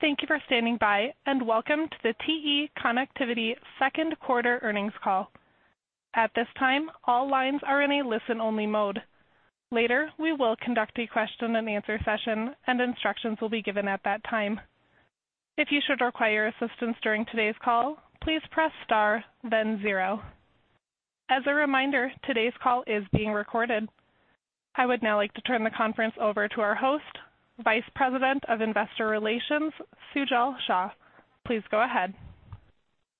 Thank you for standing by, and welcome to the TE Connectivity Second Quarter Earnings Call. At this time, all lines are in a listen-only mode. Later, we will conduct a Q&A session, and instructions will be given at that time. If you should require assistance during today's call, please press star, then zero. As a reminder, today's call is being recorded. I would now like to turn the conference over to our host, Vice President of Investor Relations, Sujal Shah. Please go ahead.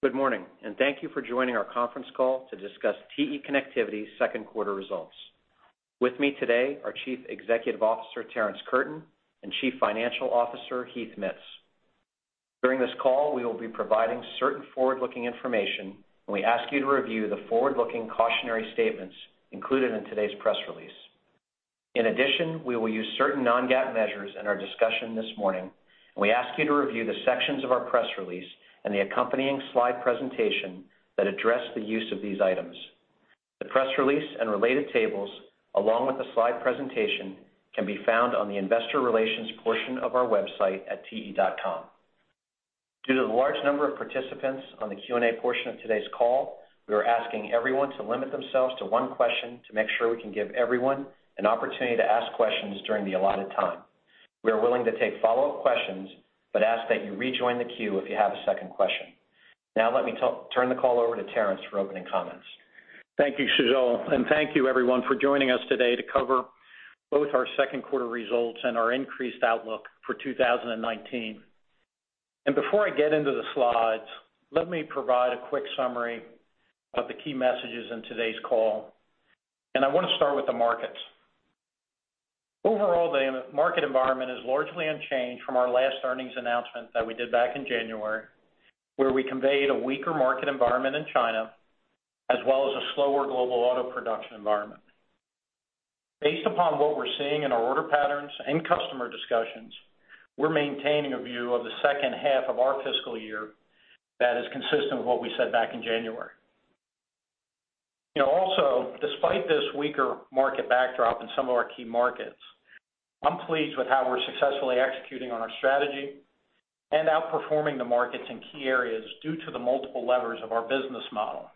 Good morning, and thank you for joining our conference call to discuss TE Connectivity Second Quarter results. With me today are Chief Executive Officer Terrence Curtin and Chief Financial Officer Heath Mitts. During this call, we will be providing certain forward-looking information, and we ask you to review the forward-looking cautionary statements included in today's press release. In addition, we will use certain non-GAAP measures in our discussion this morning, and we ask you to review the sections of our press release and the accompanying slide presentation that address the use of these items. The press release and related tables, along with the slide presentation, can be found on the investor relations portion of our website at te.com. Due to the large number of participants on the Q&A portion of today's call, we are asking everyone to limit themselves to one question to make sure we can give everyone an opportunity to ask questions during the allotted time. We are willing to take follow-up questions, but ask that you rejoin the queue if you have a second question. Now, let me turn the call over to Terrence for opening comments. Thank you, Sujal, and thank you, everyone, for joining us today to cover both our second quarter results and our increased outlook for 2019. Before I get into the slides, let me provide a quick summary of the key messages in today's call. I want to start with the markets. Overall, the market environment is largely unchanged from our last earnings announcement that we did back in January, where we conveyed a weaker market environment in China, as well as a slower global auto production environment. Based upon what we're seeing in our order patterns and customer discussions, we're maintaining a view of the second half of our fiscal year that is consistent with what we said back in January. Also, despite this weaker market backdrop in some of our key markets, I'm pleased with how we're successfully executing on our strategy and outperforming the markets in key areas due to the multiple levers of our business model.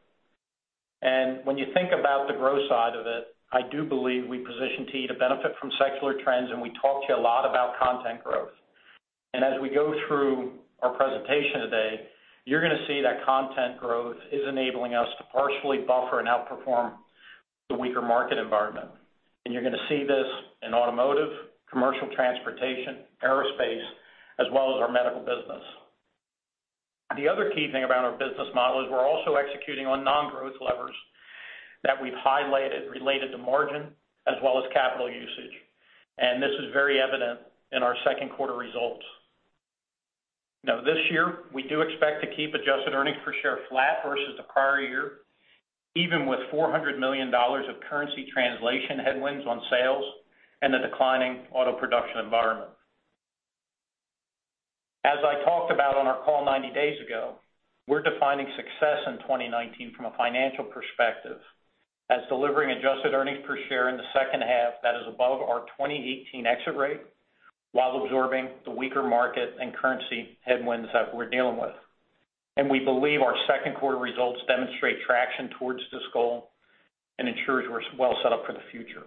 And when you think about the growth side of it, I do believe we position TE to benefit from secular trends, and we talked a lot about content growth. And as we go through our presentation today, you're going to see that content growth is enabling us to partially buffer and outperform the weaker market environment. And you're going to see this in Automotive, Commercial Transportation, Aerospace, as well as our Medical Business. The other key thing about our business model is we're also executing on non-growth levers that we've highlighted related to margin as well as capital usage. And this is very evident in our second quarter results. Now, this year, we do expect to keep adjusted earnings per share flat versus the prior year, even with $400 million of currency translation headwinds on sales and a declining auto production environment. As I talked about on our call 90 days ago, we're defining success in 2019 from a financial perspective as delivering adjusted earnings per share in the second half that is above our 2018 exit rate, while absorbing the weaker market and currency headwinds that we're dealing with. We believe our second quarter results demonstrate traction towards this goal and ensure we're well set up for the future.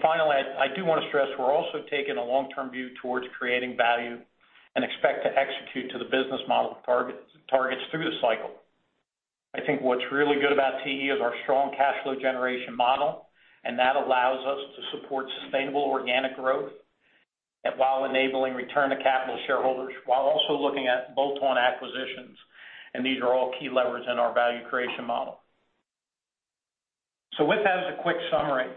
Finally, I do want to stress we're also taking a long-term view towards creating value and expect to execute to the business model targets through the cycle. I think what's really good about TE is our strong cash flow generation model, and that allows us to support sustainable organic growth while enabling return to capital shareholders, while also looking at bolt-on acquisitions. These are all key levers in our value creation model. With that, as a quick summary,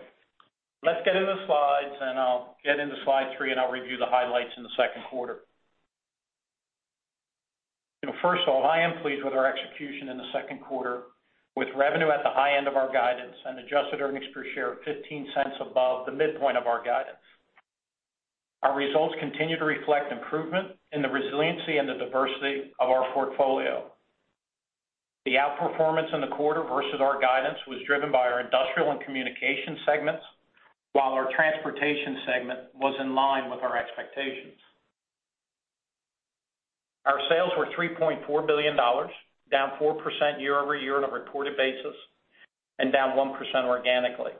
let's get into the slides, and I'll get into slide 3, and I'll review the highlights in the second quarter. First of all, I am pleased with our execution in the second quarter, with revenue at the high end of our guidance and adjusted earnings per share of $0.15 above the midpoint of our guidance. Our results continue to reflect improvement in the resiliency and the diversity of our portfolio. The outperformance in the quarter versus our guidance was driven by our industrial and Communication segments, while our Transportation segment was in line with our expectations. Our sales were $3.4 billion, down 4% year-over-year on a reported basis, and down 1% organically.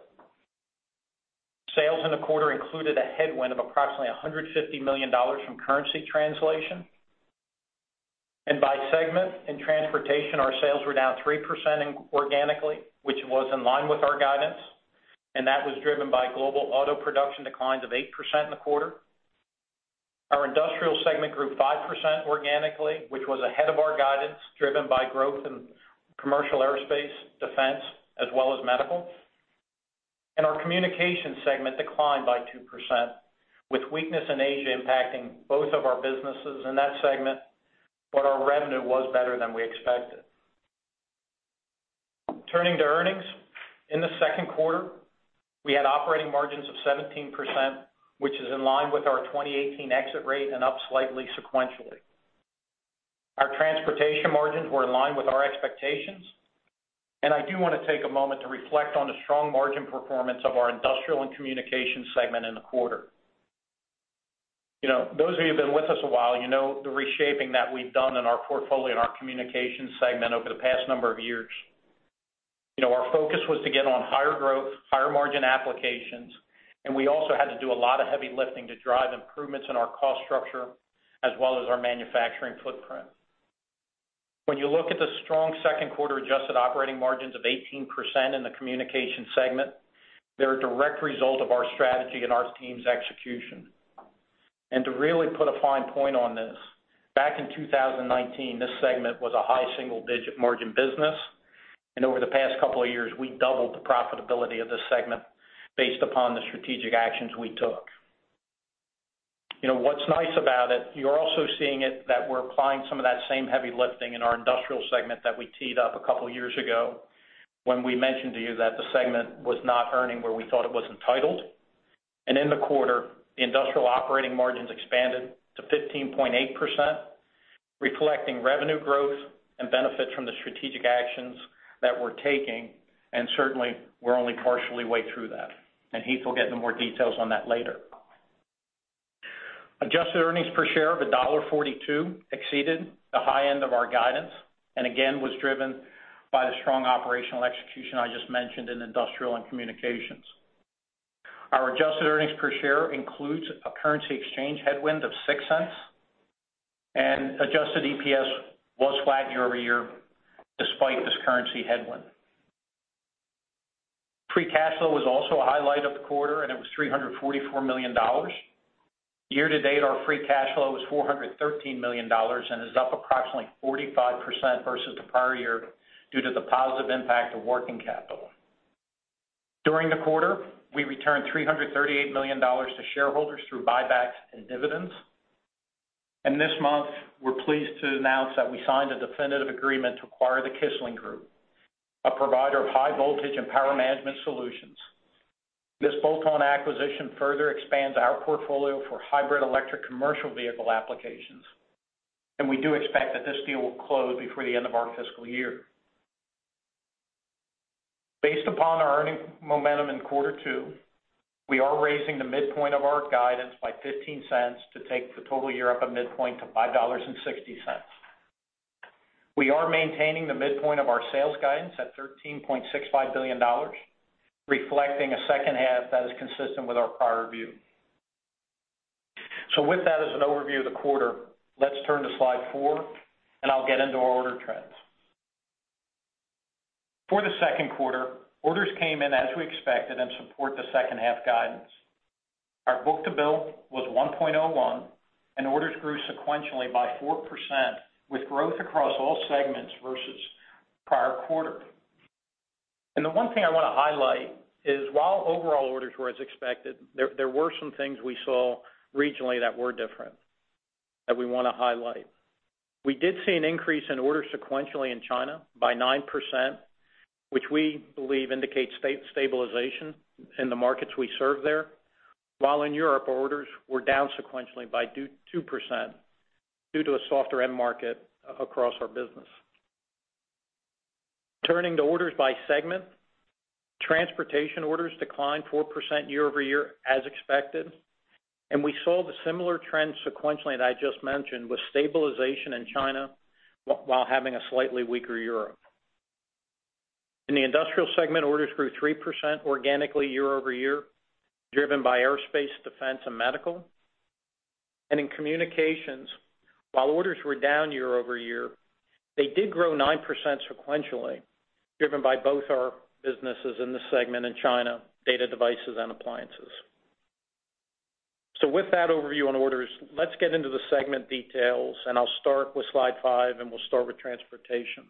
Sales in the quarter included a headwind of approximately $150 million from currency translation. And by segment and transportation, our sales were down 3% organically, which was in line with our guidance, and that was driven by global auto production declines of 8% in the quarter. Our Industrial segment grew 5% organically, which was ahead of our guidance, driven by growth in commercial aerospace, defense, as well as medical. And our Communication segment declined by 2%, with weakness in Asia impacting both of our businesses in that segment, but our revenue was better than we expected. Turning to earnings, in the second quarter, we had operating margins of 17%, which is in line with our 2018 exit rate and up slightly sequentially. Our transportation margins were in line with our expectations. I do want to take a moment to reflect on the strong margin performance of our Industrial and Communication segment in the quarter. Those of you who have been with us a while know the reshaping that we've done in our portfolio and our Communication segment over the past number of years. Our focus was to get on higher growth, higher margin applications, and we also had to do a lot of heavy lifting to drive improvements in our cost structure as well as our manufacturing footprint. When you look at the strong second quarter adjusted operating margins of 18% in the Communication segment, they're a direct result of our strategy and our team's execution. To really put a fine point on this, back in 2019, this segment was a high single-digit margin business, and over the past couple of years, we doubled the profitability of this segment based upon the strategic actions we took. What's nice about it, you're also seeing it that we're applying some of that same heavy lifting in our Industrial segment that we teed up a couple of years ago when we mentioned to you that the segment was not earning where we thought it was entitled. In the quarter, the industrial operating margins expanded to 15.8%, reflecting revenue growth and benefits from the strategic actions that we're taking, and certainly, we're only partially way through that. Heath will get into more details on that later. Adjusted earnings per share of $1.42 exceeded the high end of our guidance and again was driven by the strong operational execution I just mentioned in industrial and communications. Our adjusted earnings per share includes a currency exchange headwind of $0.06, and adjusted EPS was flat year-over-year despite this currency headwind. Free cash flow was also a highlight of the quarter, and it was $344 million. Year-to-date, our free cash flow is $413 million and is up approximately 45% versus the prior year due to the positive impact of working capital. During the quarter, we returned $338 million to shareholders through buybacks and dividends. This month, we're pleased to announce that we signed a definitive agreement to acquire the Kissling Group, a provider of high voltage and power management solutions. This bolt-on acquisition further expands our portfolio for hybrid electric commercial vehicle applications, and we do expect that this deal will close before the end of our fiscal year. Based upon our earnings momentum in quarter two, we are raising the midpoint of our guidance by $0.15 to take the total year up a midpoint to $5.60. We are maintaining the midpoint of our sales guidance at $13.65 billion, reflecting a second half that is consistent with our prior view. So with that as an overview of the quarter, let's turn to slide 4, and I'll get into our order trends. For the second quarter, orders came in as we expected and support the second half guidance. Our book-to-bill was 1.01, and orders grew sequentially by 4% with growth across all segments versus prior quarter. The one thing I want to highlight is, while overall orders were as expected, there were some things we saw regionally that were different that we want to highlight. We did see an increase in orders sequentially in China by 9%, which we believe indicates stabilization in the markets we serve there, while in Europe, orders were down sequentially by 2% due to a softer end market across our business. Turning to orders by segment, transportation orders declined 4% year-over-year as expected, and we saw the similar trend sequentially that I just mentioned with stabilization in China while having a slightly weaker Europe. In the industrial segment, orders grew 3% organically year-over-year, driven by aerospace, defense, and medical. In communications, while orders were down year-over-year, they did grow 9% sequentially, driven by both our businesses in the segment in China, Data Devices and Appliances. With that overview on orders, let's get into the segment details, and I'll start with slide 5, and we'll start with transportation.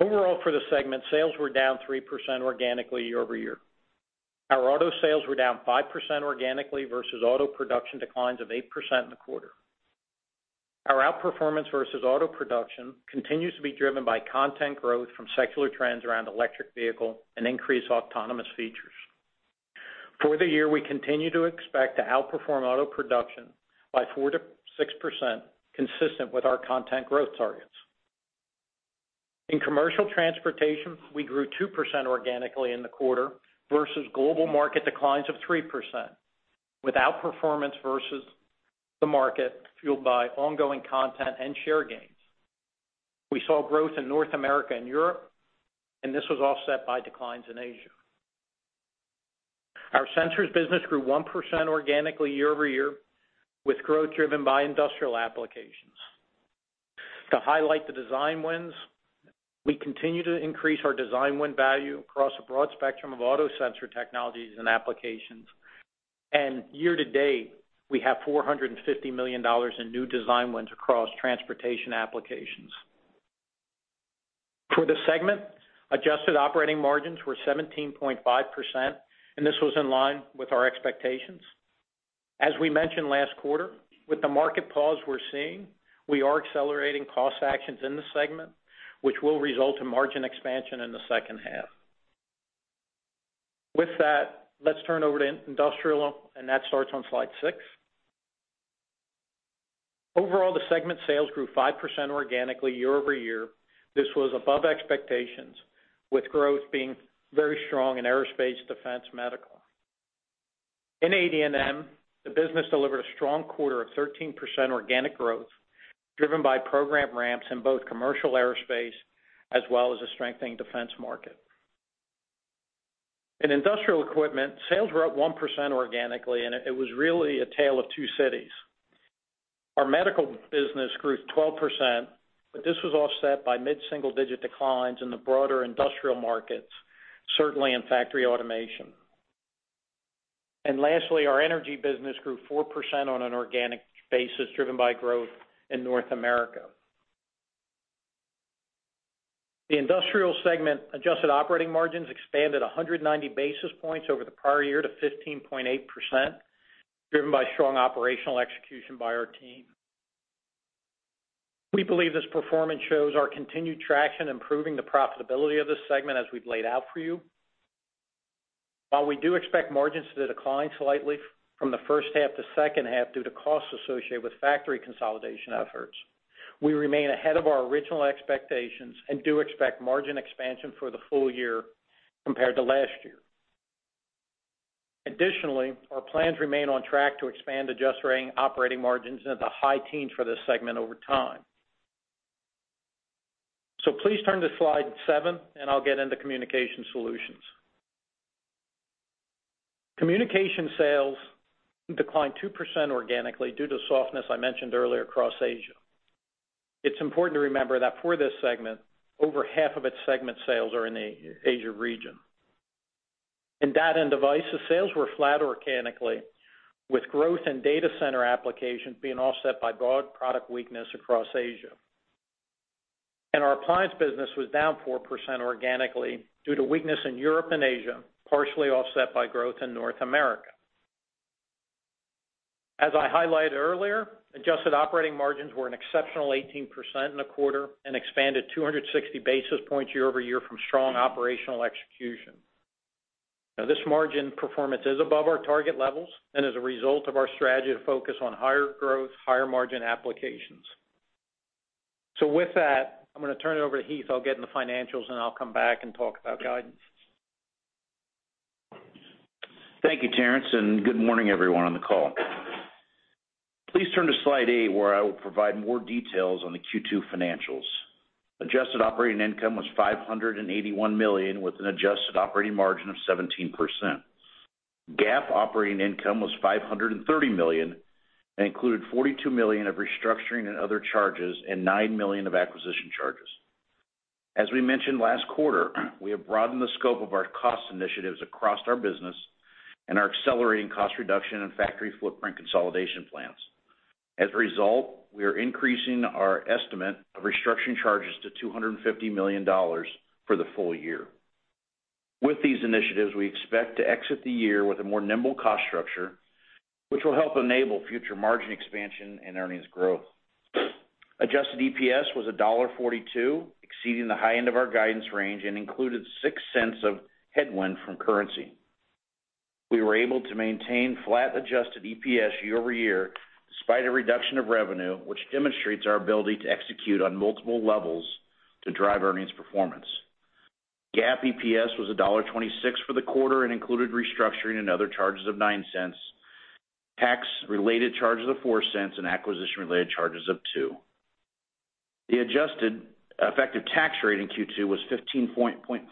Overall, for the segment, sales were down 3% organically year-over-year. Our auto sales were down 5% organically versus auto production declines of 8% in the quarter. Our outperformance versus auto production continues to be driven by content growth from secular trends around electric vehicle and increased autonomous features. For the year, we continue to expect to outperform auto production by 4%-6%, consistent with our content growth targets. In commercial transportation, we grew 2% organically in the quarter versus global market declines of 3%, with outperformance versus the market fueled by ongoing content and share gains. We saw growth in North America and Europe, and this was offset by declines in Asia. Our sensors business grew 1% organically year-over-year, with growth driven by industrial applications. To highlight the design wins, we continue to increase our design win value across a broad spectrum of auto sensor technologies and applications. Year-to-date, we have $450 million in new design wins across transportation applications. For the segment, adjusted operating margins were 17.5%, and this was in line with our expectations. As we mentioned last quarter, with the market pause we're seeing, we are accelerating cost actions in the segment, which will result in margin expansion in the second half. With that, let's turn over to industrial, and that starts on slide six. Overall, the segment sales grew 5% organically year-over-year. This was above expectations, with growth being very strong in aerospace, defense, medical. In AD&M, the business delivered a strong quarter of 13% organic growth, driven by program ramps in both commercial aerospace as well as a strengthening defense market. In Industrial Equipment, sales were up 1% organically, and it was really a tale of two cities. Our medical business grew 12%, but this was offset by mid-single-digit declines in the broader industrial markets, certainly in factory automation. Lastly, our Energy business grew 4% on an organic basis, driven by growth in North America. The industrial segment adjusted operating margins expanded 190 basis points over the prior year to 15.8%, driven by strong operational execution by our team. We believe this performance shows our continued traction, improving the profitability of this segment as we've laid out for you. While we do expect margins to decline slightly from the first half to second half due to costs associated with factory consolidation efforts, we remain ahead of our original expectations and do expect margin expansion for the full year compared to last year. Additionally, our plans remain on track to expand adjusted operating margins into the high-teens for this segment over time. So please turn to slide 7, and I'll get into Communications Solutions. Communication sales declined 2% organically due to softness I mentioned earlier across Asia. It's important to remember that for this segment, over half of its segment sales are in the Asia region. In data and devices, sales were flat organically, with growth in data center applications being offset by broad product weakness across Asia. Our appliance business was down 4% organically due to weakness in Europe and Asia, partially offset by growth in North America. As I highlighted earlier, adjusted operating margins were an exceptional 18% in the quarter and expanded 260 basis points year-over-year from strong operational execution. Now, this margin performance is above our target levels and is a result of our strategy to focus on higher growth, higher margin applications. So with that, I'm going to turn it over to Heath. He'll get into financials, and I'll come back and talk about guidance. Thank you, Terrence, and good morning, everyone, on the call. Please turn to slide eight, where I will provide more details on the Q2 financials. Adjusted operating income was $581 million, with an adjusted operating margin of 17%. GAAP operating income was $530 million and included $42 million of restructuring and other charges and $9 million of acquisition charges. As we mentioned last quarter, we have broadened the scope of our cost initiatives across our business and our accelerating cost reduction and factory footprint consolidation plans. As a result, we are increasing our estimate of restructuring charges to $250 million for the full year. With these initiatives, we expect to exit the year with a more nimble cost structure, which will help enable future margin expansion and earnings growth. Adjusted EPS was $1.42, exceeding the high end of our guidance range and included $0.06 of headwind from currency. We were able to maintain flat adjusted EPS year-over-year despite a reduction of revenue, which demonstrates our ability to execute on multiple levels to drive earnings performance. GAAP EPS was $1.26 for the quarter and included restructuring and other charges of $0.09, tax-related charges of $0.04, and acquisition-related charges of $0.02. The adjusted effective tax rate in Q2 was 15.4%.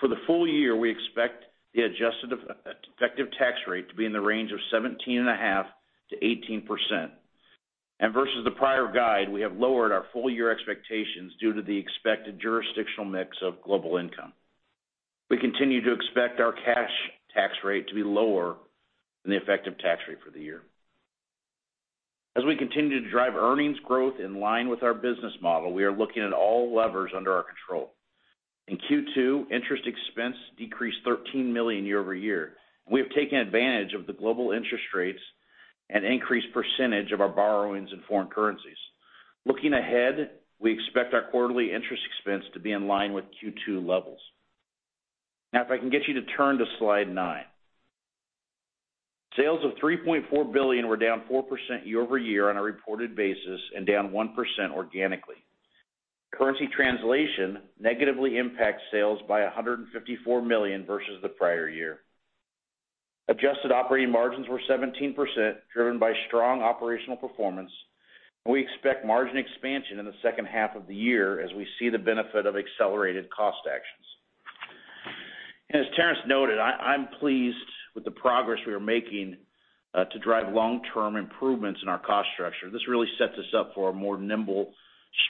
For the full year, we expect the adjusted effective tax rate to be in the range of 17.5%-18%. Versus the prior guide, we have lowered our full-year expectations due to the expected jurisdictional mix of global income. We continue to expect our cash tax rate to be lower than the effective tax rate for the year. As we continue to drive earnings growth in line with our business model, we are looking at all levers under our control. In Q2, interest expense decreased $13 million year-over-year, and we have taken advantage of the global interest rates and increased percentage of our borrowings in foreign currencies. Looking ahead, we expect our quarterly interest expense to be in line with Q2 levels. Now, if I can get you to turn to slide 9. Sales of $3.4 billion were down 4% year-over-year on a reported basis and down 1% organically. Currency translation negatively impacts sales by $154 million versus the prior year. Adjusted operating margins were 17%, driven by strong operational performance, and we expect margin expansion in the second half of the year as we see the benefit of accelerated cost actions. And as Terrence noted, I'm pleased with the progress we are making to drive long-term improvements in our cost structure. This really sets us up for a more nimble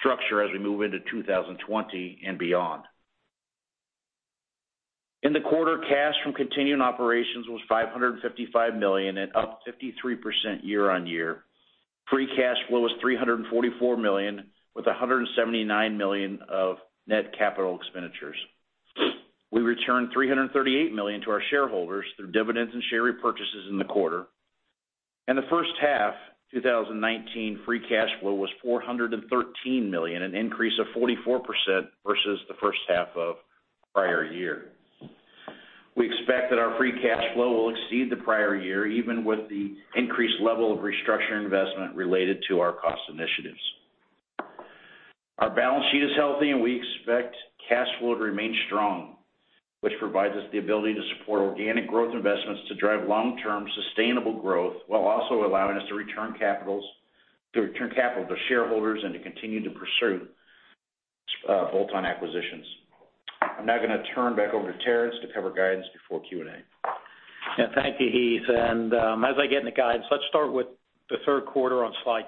structure as we move into 2020 and beyond. In the quarter, cash from continuing operations was $555 million and up 53% year-on-year. Free cash flow was $344 million, with $179 million of net capital expenditures. We returned $338 million to our shareholders through dividends and share repurchases in the quarter. The first half, 2019, free cash flow was $413 million, an increase of 44% versus the first half of the prior year. We expect that our free cash flow will exceed the prior year, even with the increased level of restructuring investment related to our cost initiatives. Our balance sheet is healthy, and we expect cash flow to remain strong, which provides us the ability to support organic growth investments to drive long-term sustainable growth while also allowing us to return capital to shareholders and to continue to pursue bolt-on acquisitions. I'm now going to turn back over to Terrence to cover guidance before Q&A. Yeah, thank you, Heath. As I get into guidance, let's start with the third quarter on slide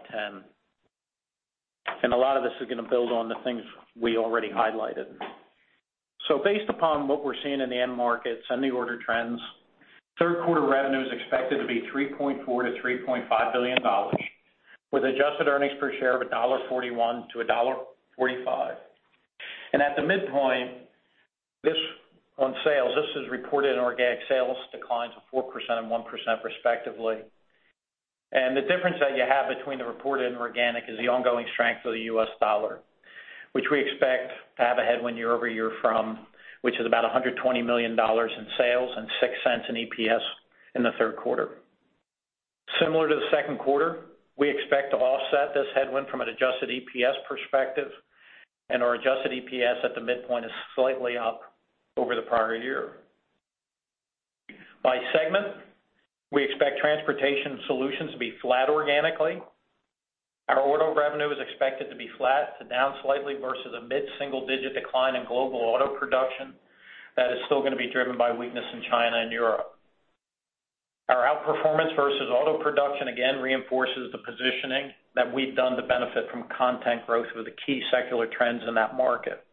10. A lot of this is going to build on the things we already highlighted. So based upon what we're seeing in the end markets and the order trends, third quarter revenue is expected to be $3.4 billion-$3.5 billion, with adjusted earnings per share of $1.41-$1.45. And at the midpoint, this on sales, this is reported in organic sales declines of 4% and 1%, respectively. And the difference that you have between the reported and organic is the ongoing strength of the U.S. dollar, which we expect to have a headwind year-over-year from, which is about $120 million in sales and $0.06 in EPS in the third quarter. Similar to the second quarter, we expect to offset this headwind from an adjusted EPS perspective, and our adjusted EPS at the midpoint is slightly up over the prior year. By segment, we expect Transportation Solutions to be flat organically. Our Auto revenue is expected to be flat to down slightly versus a mid-single-digit decline in global auto production that is still going to be driven by weakness in China and Europe. Our outperformance versus auto production, again, reinforces the positioning that we've done to benefit from content growth with the key secular trends in that market.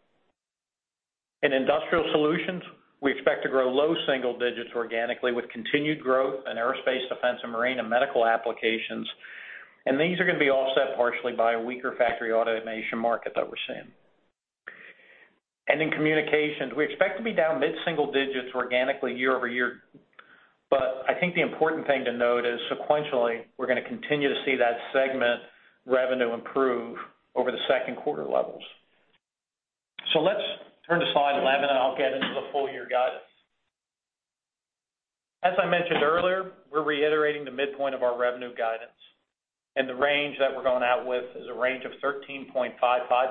In Industrial Solutions, we expect to grow low single digits organically with continued growth in aerospace, defense, and marine and medical applications. These are going to be offset partially by a weaker factory automation market that we're seeing. In communications, we expect to be down mid-single digits organically year-over-year, but I think the important thing to note is sequentially, we're going to continue to see that segment revenue improve over the second quarter levels. Let's turn to slide 11, and I'll get into the full-year guidance. As I mentioned earlier, we're reiterating the midpoint of our revenue guidance, and the range that we're going out with is a range of $13.55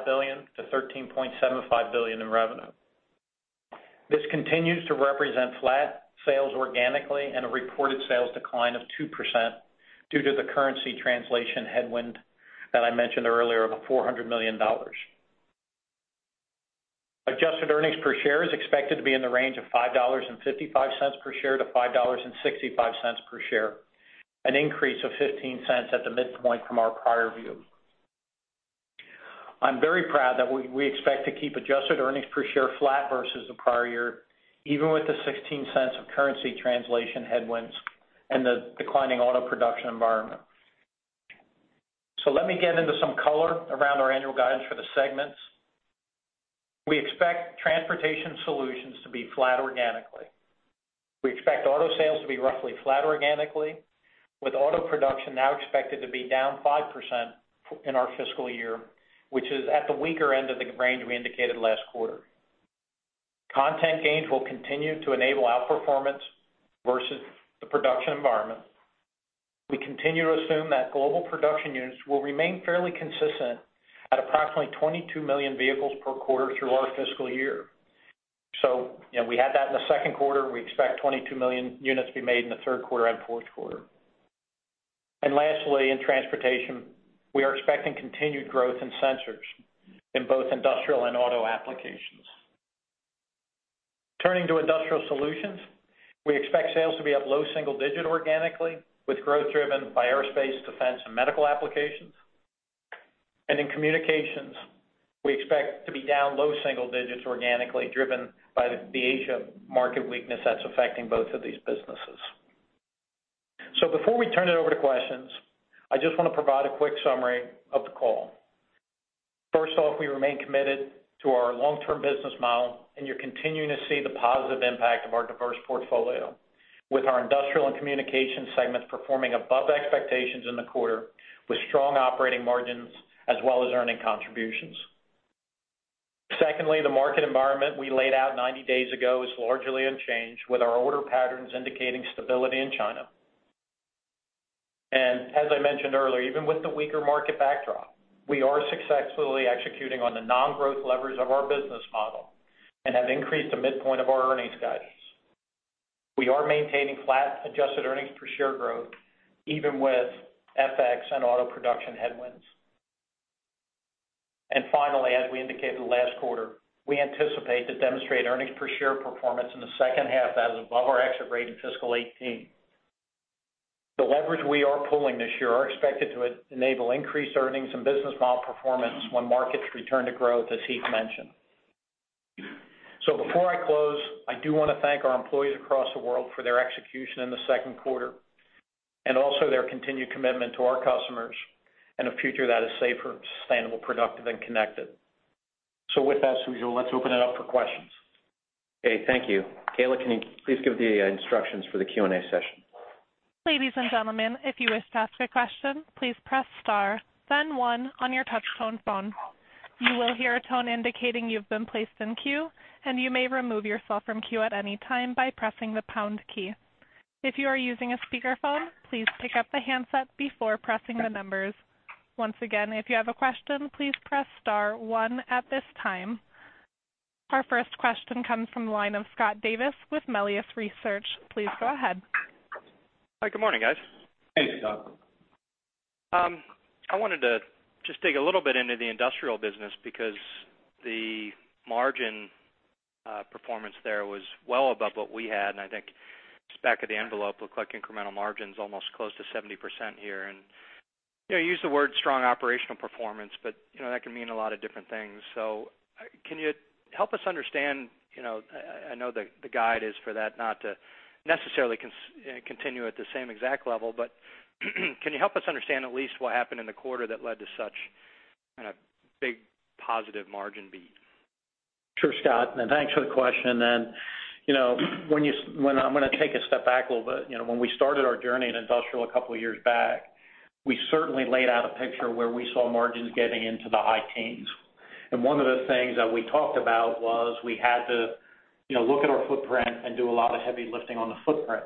billion-$13.75 billion in revenue. This continues to represent flat sales organically and a reported sales decline of 2% due to the currency translation headwind that I mentioned earlier of $400 million. Adjusted earnings per share is expected to be in the range of $5.55-$5.65 per share, an increase of $0.15 at the midpoint from our prior view. I'm very proud that we expect to keep Adjusted Earnings Per Share flat versus the prior year, even with the $0.16 of currency translation headwinds and the declining auto production environment. Let me get into some color around our annual guidance for the segments. We expect Transportation Solutions to be flat organically. We expect auto sales to be roughly flat organically, with auto production now expected to be down 5% in our fiscal year, which is at the weaker end of the range we indicated last quarter. Content gains will continue to enable outperformance versus the production environment. We continue to assume that global production units will remain fairly consistent at approximately 22 million vehicles per quarter through our fiscal year. We had that in the second quarter. We expect 22 million units to be made in the third quarter and fourth quarter. Lastly, in transportation, we are expecting continued growth in sensors in both industrial and auto applications. Turning to Industrial Solutions, we expect sales to be up low single digit organically, with growth driven by aerospace, defense, and medical applications. In communications, we expect to be down low single digits organically, driven by the Asia market weakness that's affecting both of these businesses. Before we turn it over to questions, I just want to provide a quick summary of the call. First off, we remain committed to our long-term business model, and you're continuing to see the positive impact of our diverse portfolio, with our industrial and Communication segments performing above expectations in the quarter, with strong operating margins as well as earning contributions. Secondly, the market environment we laid out 90 days ago is largely unchanged, with our order patterns indicating stability in China. As I mentioned earlier, even with the weaker market backdrop, we are successfully executing on the non-growth levers of our business model and have increased the midpoint of our earnings guidance. We are maintaining flat adjusted earnings per share growth, even with FX and auto production headwinds. Finally, as we indicated last quarter, we anticipate to demonstrate earnings per share performance in the second half that is above our exit rate in fiscal 2018. The leverage we are pulling this year is expected to enable increased earnings and business model performance when markets return to growth, as Heath mentioned. Before I close, I do want to thank our employees across the world for their execution in the second quarter and also their continued commitment to our customers and a future that is safer, sustainable, productive, and connected. With that, Sujal, let's open it up for questions. Okay, thank you. Kayla, can you please give the instructions for the Q&A session? Ladies and gentlemen, if you wish to ask a question, please press star, then one on your touch-tone phone. You will hear a tone indicating you've been placed in queue, and you may remove yourself from queue at any time by pressing the pound key. If you are using a speakerphone, please pick up the handset before pressing the numbers. Once again, if you have a question, please press star, one at this time. Our first question comes from the line of Scott Davis with Melius Research. Please go ahead. Hi, good morning, guys. Hey, Scott. I wanted to just dig a little bit into the industrial business because the margin performance there was well above what we had. I think back of the envelope looked like incremental margins almost close to 70% here. You use the word strong operational performance, but that can mean a lot of different things. Can you help us understand? I know the guide is for that not to necessarily continue at the same exact level, but can you help us understand at least what happened in the quarter that led to such kind of big positive margin beat? Sure, Scott. And thanks for the question. And then when I'm going to take a step back a little bit, when we started our journey in industrial a couple of years back, we certainly laid out a picture where we saw margins getting into the high-teens. And one of the things that we talked about was we had to look at our footprint and do a lot of heavy lifting on the footprint.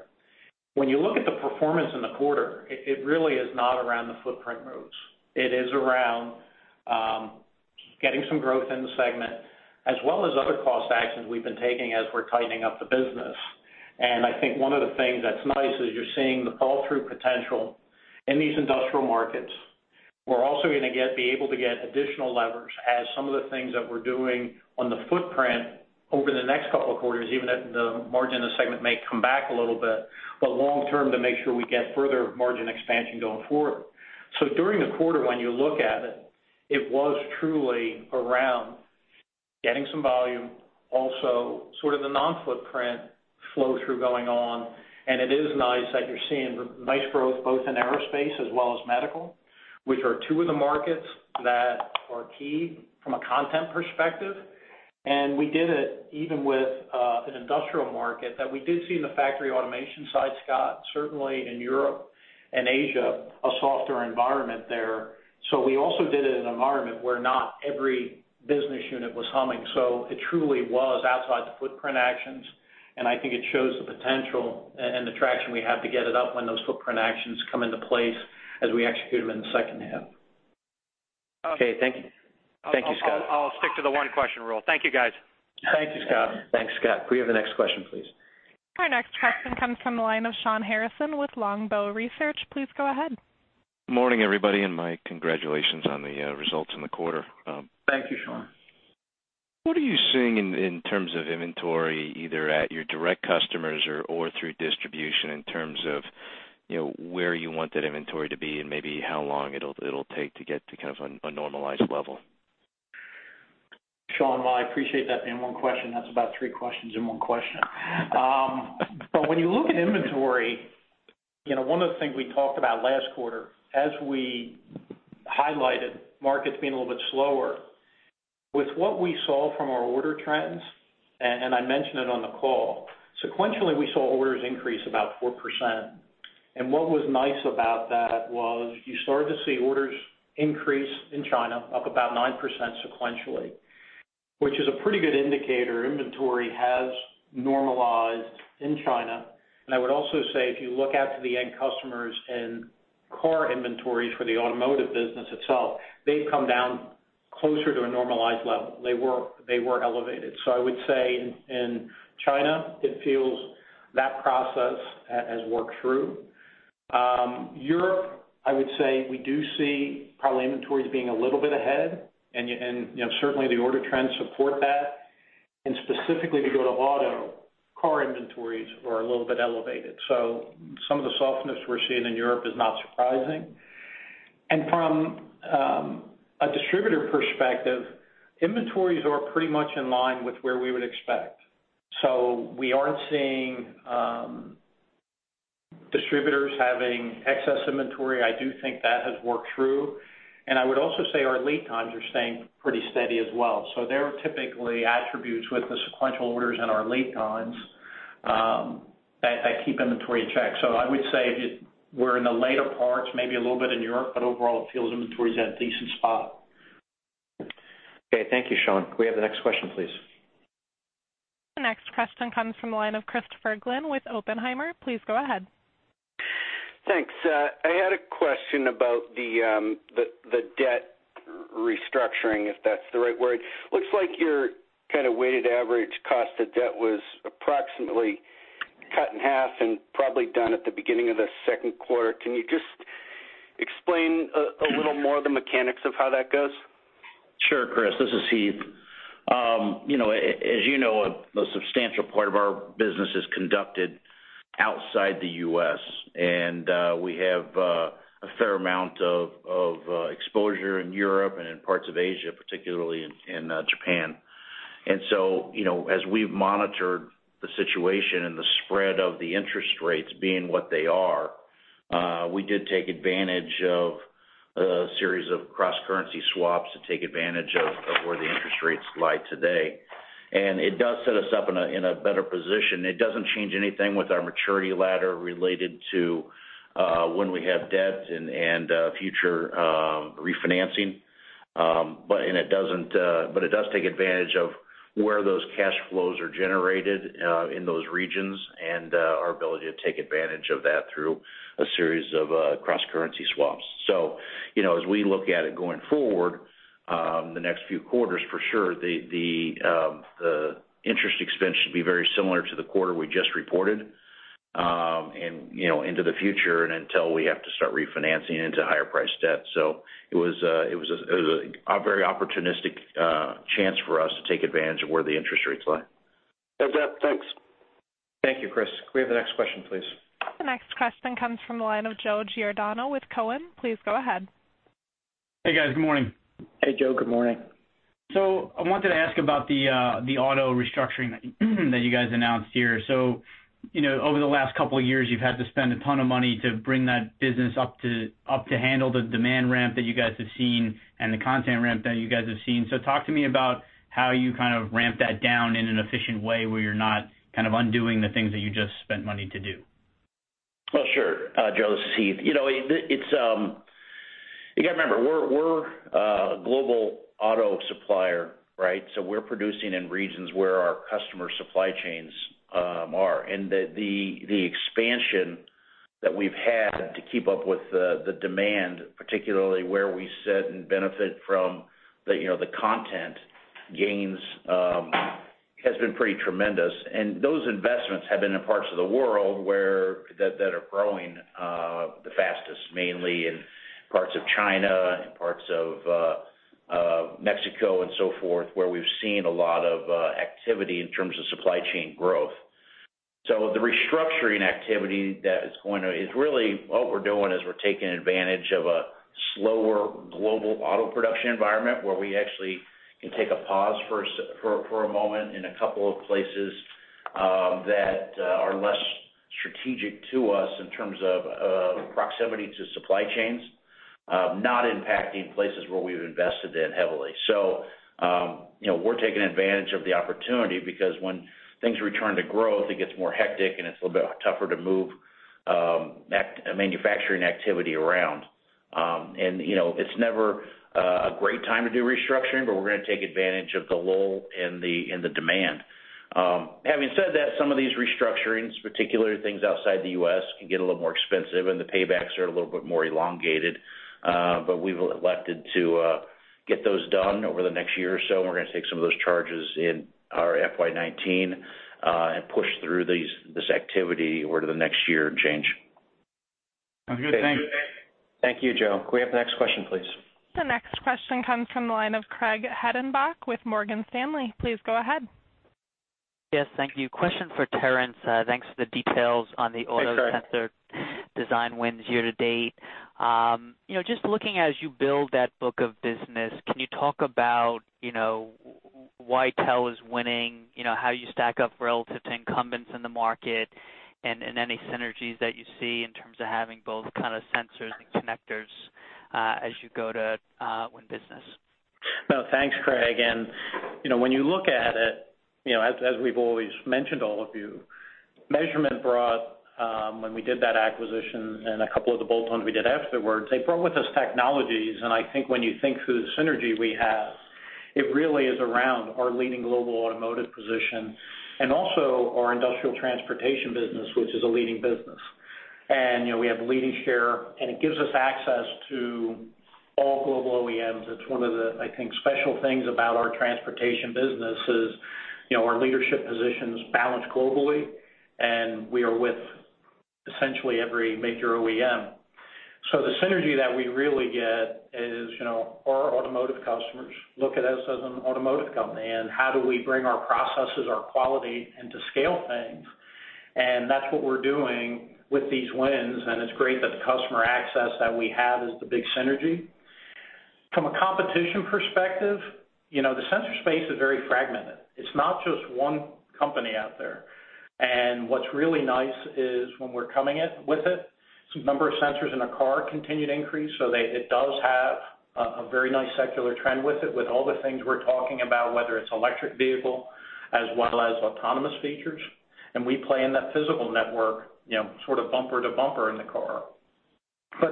When you look at the performance in the quarter, it really is not around the footprint moves. It is around getting some growth in the segment as well as other cost actions we've been taking as we're tightening up the business. And I think one of the things that's nice is you're seeing the fall-through potential in these industrial markets. We're also going to be able to get additional levers as some of the things that we're doing on the footprint over the next couple of quarters, even if the margin in the segment may come back a little bit, but long-term to make sure we get further margin expansion going forward. So during the quarter, when you look at it, it was truly around getting some volume, also sort of the non-footprint flow-through going on. And it is nice that you're seeing nice growth both in aerospace as well as medical, which are two of the markets that are key from a content perspective. And we did it even with an industrial market that we did see in the factory automation side, Scott, certainly in Europe and Asia, a softer environment there. So we also did it in an environment where not every business unit was humming. It truly was outside the footprint actions. I think it shows the potential and the traction we have to get it up when those footprint actions come into place as we execute them in the second half. Okay, thank you. Thank you, Scott. I'll stick to the one-question rule. Thank you, guys. Thank you, Scott. Thanks, Scott. Can we have the next question, please? Our next question comes from the line of Shawn Harrison with Longbow Research. Please go ahead. Morning, everybody, and my congratulations on the results in the quarter. Thank you, Shawn. What are you seeing in terms of inventory, either at your direct customers or through distribution, in terms of where you want that inventory to be and maybe how long it'll take to get to kind of a normalized level? Shawn, well, I appreciate that. And 1 question, that's about 3 questions in 1 question. But when you look at inventory, 1 of the things we talked about last quarter, as we highlighted markets being a little bit slower, with what we saw from our order trends, and I mentioned it on the call, sequentially, we saw orders increase about 4%. And what was nice about that was you started to see orders increase in China up about 9% sequentially, which is a pretty good indicator inventory has normalized in China. And I would also say if you look at the end customers and car inventories for the automotive business itself, they've come down closer to a normalized level. They were elevated. So I would say in China, it feels that process has worked through. Europe, I would say we do see probably inventories being a little bit ahead, and certainly the order trends support that. Specifically to go to auto, car inventories are a little bit elevated. Some of the softness we're seeing in Europe is not surprising. From a distributor perspective, inventories are pretty much in line with where we would expect. We aren't seeing distributors having excess inventory. I do think that has worked through. I would also say our lead times are staying pretty steady as well. There are typically attributes with the sequential orders and our lead times that keep inventory in check. I would say we're in the later parts, maybe a little bit in Europe, but overall, it feels inventory is at a decent spot. Okay, thank you, Shawn. Can we have the next question, please? The next question comes from the line of Christopher Glynn with Oppenheimer. Please go ahead. Thanks. I had a question about the debt restructuring, if that's the right word. Looks like your kind of weighted average cost of debt was approximately cut in half and probably done at the beginning of the second quarter. Can you just explain a little more of the mechanics of how that goes? Sure, Chris. This is Heath. As you know, a substantial part of our business is conducted outside the U.S., and we have a fair amount of exposure in Europe and in parts of Asia, particularly in Japan. And so as we've monitored the situation and the spread of the interest rates being what they are, we did take advantage of a series of cross-currency swaps to take advantage of where the interest rates lie today. And it does set us up in a better position. It doesn't change anything with our maturity ladder related to when we have debt and future refinancing. But it does take advantage of where those cash flows are generated in those regions and our ability to take advantage of that through a series of cross-currency swaps. So as we look at it going forward, the next few quarters, for sure, the interest expense should be very similar to the quarter we just reported and into the future and until we have to start refinancing into higher-priced debt. So it was a very opportunistic chance for us to take advantage of where the interest rates lie. That's it. Thanks. Thank you, Chris. Can we have the next question, please? The next question comes from the line of Joe Giordano with Cowen. Please go ahead. Hey, guys. Good morning. Hey, Joe. Good morning. So I wanted to ask about the auto restructuring that you guys announced here. So over the last couple of years, you've had to spend a ton of money to bring that business up to handle the demand ramp that you guys have seen and the content ramp that you guys have seen. So talk to me about how you kind of ramp that down in an efficient way where you're not kind of undoing the things that you just spent money to do. Well, sure. Joe, this is Heath. You got to remember, we're a global auto supplier, right? We're producing in regions where our customer supply chains are. The expansion that we've had to keep up with the demand, particularly where we sit and benefit from the content gains, has been pretty tremendous. Those investments have been in parts of the world that are growing the fastest, mainly in parts of China and parts of Mexico and so forth, where we've seen a lot of activity in terms of supply chain growth. So the restructuring activity that is going on is really what we're doing is we're taking advantage of a slower global auto production environment where we actually can take a pause for a moment in a couple of places that are less strategic to us in terms of proximity to supply chains, not impacting places where we've invested in heavily. So we're taking advantage of the opportunity because when things return to growth, it gets more hectic and it's a little bit tougher to move manufacturing activity around. And it's never a great time to do restructuring, but we're going to take advantage of the lull in the demand. Having said that, some of these restructurings, particularly things outside the U.S., can get a little more expensive and the paybacks are a little bit more elongated. But we've elected to get those done over the next year or so. We're going to take some of those charges in our FY '19 and push through this activity over to the next year and change. Sounds good. Thanks. Thank you, Joe. Can we have the next question, please? The next question comes from the line of Craig Hettenbach with Morgan Stanley. Please go ahead. Yes, thank you. Question for Terrence. Thanks for the details on the auto sensor design wins year-to-date. Just looking as you build that book of business, can you talk about why TE is winning, how you stack up relative to incumbents in the market, and any synergies that you see in terms of having both kind of sensors and connectors as you go to win business? Well, thanks, Craig. When you look at it, as we've always mentioned to all of you, measurement brought, when we did that acquisition and a couple of the bolt-ons we did afterwards, they brought with us technologies. I think when you think through the synergy we have, it really is around our leading global automotive position and also our industrial transportation business, which is a leading business. We have a leading share, and it gives us access to all global OEMs. It's one of the, I think, special things about our transportation business is our leadership positions balance globally, and we are with essentially every major OEM. So the synergy that we really get is our automotive customers look at us as an automotive company and how do we bring our processes, our quality into scale things. That's what we're doing with these wins. It's great that the customer access that we have is the big synergy. From a competition perspective, the sensor space is very fragmented. It's not just one company out there. What's really nice is when we're coming with it, the number of sensors in a car continued to increase. So it does have a very nice secular trend with it with all the things we're talking about, whether it's electric vehicle as well as autonomous features. We play in that physical network, sort of bumper to bumper in the car.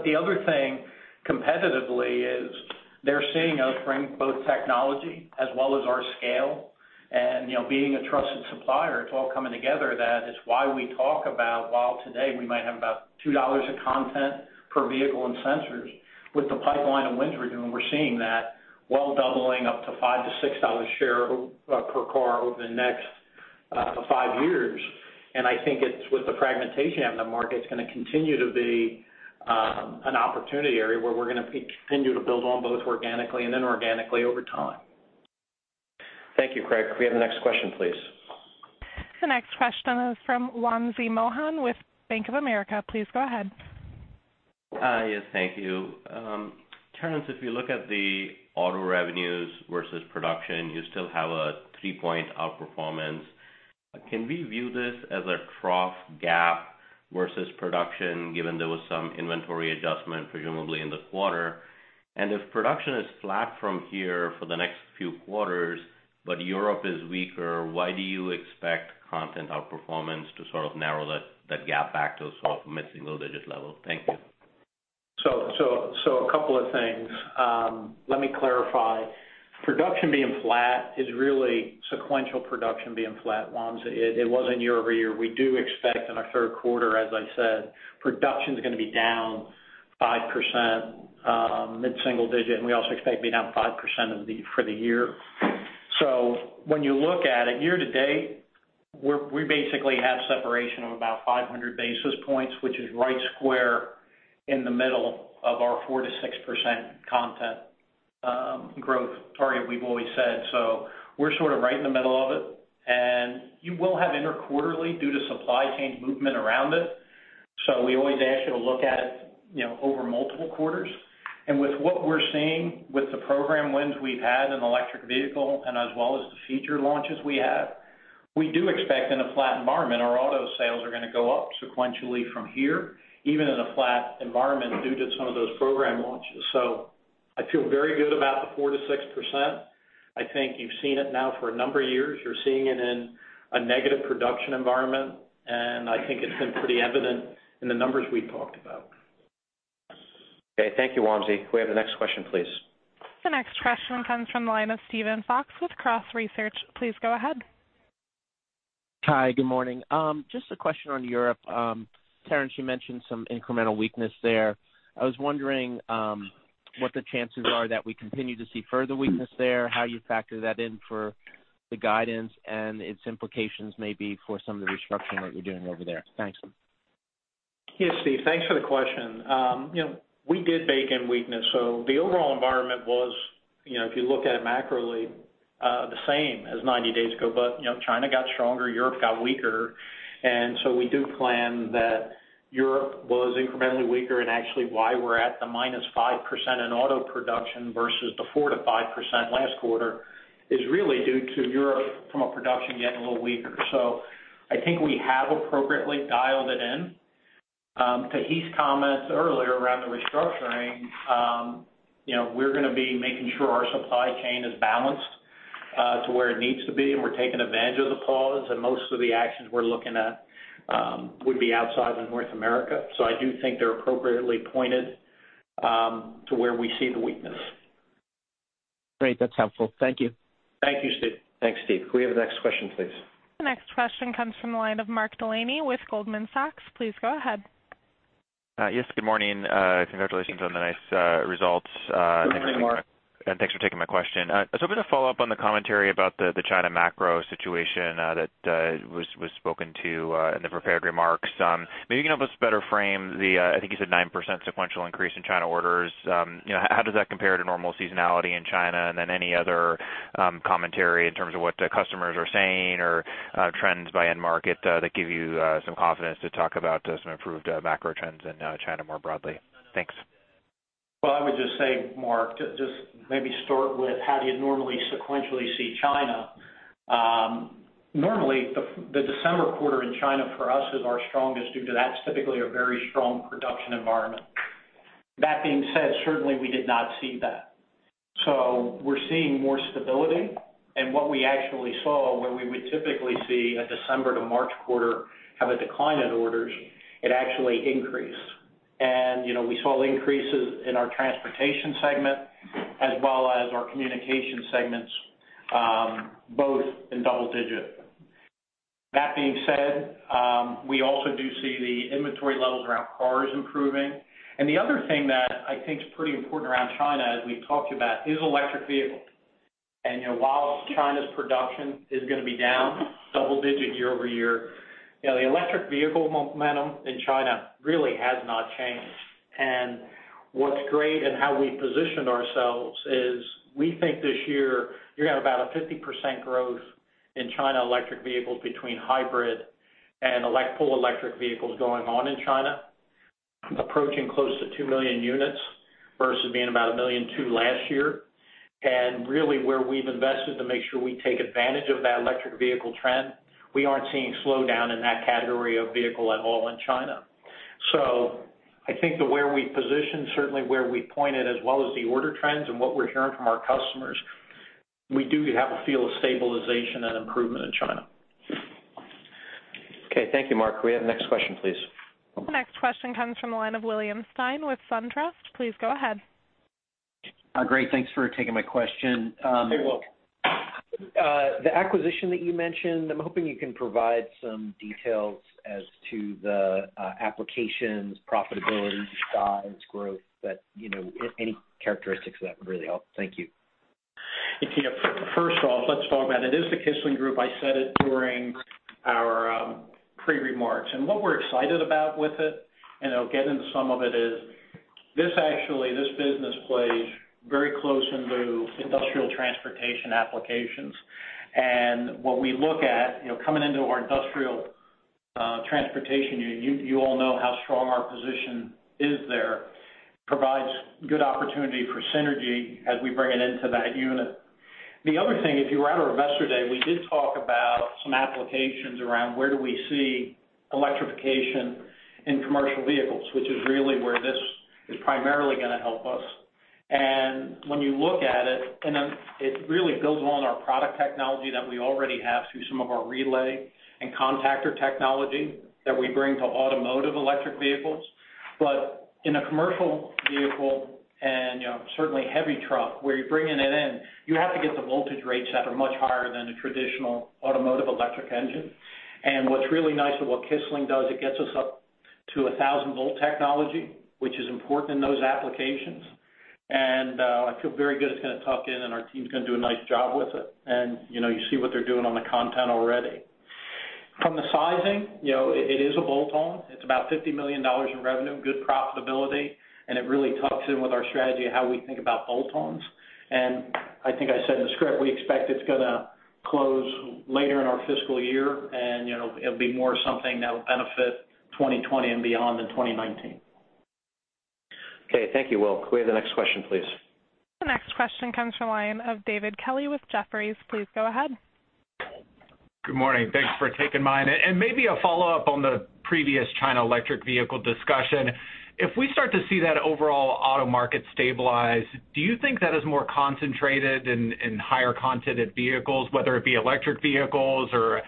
The other thing competitively is they're seeing us bring both technology as well as our scale. Being a trusted supplier, it's all coming together. That is why we talk about, while today we might have about $2 in content per vehicle and sensors, with the pipeline of wins we're doing, we're seeing that, well, doubling up to $5-$6 share per car over the next five years. I think it's with the fragmentation in the market, it's going to continue to be an opportunity area where we're going to continue to build on both organically and inorganically over time. Thank you, Craig. Can we have the next question, please? The next question is from Wamsi Mohan with Bank of America. Please go ahead. Yes, thank you. Terrence, if you look at the auto revenues versus production, you still have a 3-point outperformance. Can we view this as a trough gap versus production, given there was some inventory adjustment, presumably in the quarter? And if production is flat from here for the next few quarters, but Europe is weaker, why do you expect content outperformance to sort of narrow that gap back to a sort of mid-single-digit level? Thank you. So a couple of things. Let me clarify. Production being flat is really sequential production being flat, Wamsi. It wasn't year over year. We do expect in our third quarter, as I said, production is going to be down 5%, mid-single-digit, and we also expect to be down 5% for the year. So when you look at it year-to-date, we basically have separation of about 500 basis points, which is right square in the middle of our 4%-6% content growth target we've always said. So we're sort of right in the middle of it. And you will have interquarterly due to supply chain movement around it. So we always ask you to look at it over multiple quarters. With what we're seeing with the program wins we've had in electric vehicle and as well as the feature launches we have, we do expect in a flat environment, our auto sales are going to go up sequentially from here, even in a flat environment due to some of those program launches. I feel very good about the 4%-6%. I think you've seen it now for a number of years. You're seeing it in a negative production environment. I think it's been pretty evident in the numbers we've talked about. Okay. Thank you, Wamsi. Can we have the next question, please? The next question comes from the line of Steven Fox with Cross Research. Please go ahead. Hi, good morning. Just a question on Europe. Terrence, you mentioned some incremental weakness there. I was wondering what the chances are that we continue to see further weakness there, how you factor that in for the guidance and its implications maybe for some of the restructuring that you're doing over there? Thanks. Yes, Steve. Thanks for the question. We did bake in weakness. So the overall environment was, if you look at it macroly, the same as 90 days ago, but China got stronger, Europe got weaker. So we do plan that Europe was incrementally weaker. Actually, why we're at the -5% in auto production versus the 4%-5% last quarter is really due to Europe from a production getting a little weaker. So I think we have appropriately dialed it in. To Heath's comments earlier around the restructuring, we're going to be making sure our supply chain is balanced to where it needs to be. We're taking advantage of the pause. Most of the actions we're looking at would be outside of North America. So I do think they're appropriately pointed to where we see the weakness. Great. That's helpful. Thank you. Thank you, Steve. Thanks, Steve. Can we have the next question, please? The next question comes from the line of Mark Delaney with Goldman Sachs. Please go ahead. Yes, good morning. Congratulations on the nice results. Thanks for taking my question. I was hoping to follow up on the commentary about the China macro situation that was spoken to in the prepared remarks. Maybe you can help us better frame the, I think you said 9% sequential increase in China orders. How does that compare to normal seasonality in China? And then any other commentary in terms of what customers are saying or trends by end market that give you some confidence to talk about some improved macro trends in China more broadly? Thanks. Well, I would just say, Mark, just maybe start with how do you normally sequentially see China? Normally, the December quarter in China for us is our strongest due to that's typically a very strong production environment. That being said, certainly we did not see that. So we're seeing more stability. And what we actually saw, where we would typically see a December to March quarter have a decline in orders, it actually increased. And we saw increases in our transportation segment as well as our Communication segments, both in double digit. That being said, we also do see the inventory levels around cars improving. And the other thing that I think is pretty important around China, as we've talked about, is electric vehicles. And while China's production is going to be down double digit year-over-year, the electric vehicle momentum in China really has not changed. What's great and how we've positioned ourselves is we think this year you're going to have about a 50% growth in China electric vehicles between hybrid and full electric vehicles going on in China, approaching close to 2 million units versus being about 1 million last year. Really where we've invested to make sure we take advantage of that electric vehicle trend, we aren't seeing slowdown in that category of vehicle at all in China. So I think the way we've positioned, certainly where we've pointed as well as the order trends and what we're hearing from our customers, we do have a feel of stabilization and improvement in China. Okay. Thank you, Mark. Can we have the next question, please? The next question comes from the line of William Stein with SunTrust. Please go ahead. Great. Thanks for taking my question. You're welcome. The acquisition that you mentioned, I'm hoping you can provide some details as to the applications, profitability, size, growth, any characteristics of that would really help? Thank you. Yeah. First off, let's talk about it- it is the Kissling Group. I said it during our pre-remarks. And what we're excited about with it, and I'll get into some of it, is this business plays very close into industrial transportation applications. And what we look at coming into our industrial transportation unit, you all know how strong our position is there, provides good opportunity for synergy as we bring it into that unit. The other thing, if you were at our investor day, we did talk about some applications around where do we see electrification in commercial vehicles, which is really where this is primarily going to help us. And when you look at it, it really builds on our product technology that we already have through some of our relay and contactor technology that we bring to automotive electric vehicles. But in a commercial vehicle and certainly heavy truck, where you're bringing it in, you have to get the voltage rates that are much higher than a traditional automotive electric engine. And what's really nice of what Kissling does, it gets us up to 1,000-volt technology, which is important in those applications. And I feel very good it's going to tuck in, and our team's going to do a nice job with it. And you see what they're doing on the content already. From the sizing, it is a bolt-on. It's about $50 million in revenue, good profitability. And it really tucks in with our strategy, how we think about bolt-ons. And I think I said in the script, we expect it's going to close later in our fiscal year. And it'll be more something that will benefit 2020 and beyond than 2019. Okay. Thank you, Will. Can we have the next question, please? The next question comes from the line of David Kelley with Jefferies. Please go ahead. Good morning. Thanks for taking mine. And maybe a follow-up on the previous China electric vehicle discussion. If we start to see that overall auto market stabilize, do you think that is more concentrated in higher content vehicles, whether it be electric vehicles or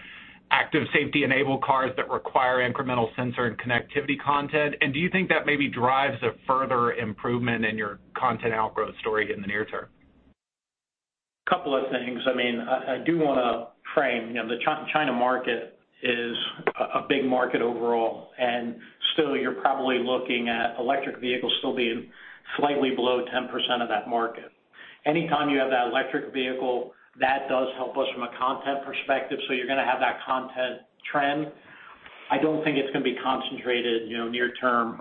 active safety-enabled cars that require incremental sensor and connectivity content? And do you think that maybe drives a further improvement in your content outgrowth story in the near term? A couple of things. I mean, I do want to frame the China market is a big market overall. And still, you're probably looking at electric vehicles still being slightly below 10% of that market. Anytime you have that electric vehicle, that does help us from a content perspective. So you're going to have that content trend. I don't think it's going to be concentrated near-term